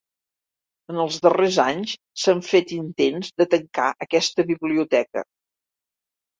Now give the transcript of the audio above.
En els darrers anys, s'han fet intents de tancar aquesta biblioteca.